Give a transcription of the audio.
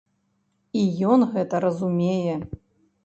І ён гэта разумее.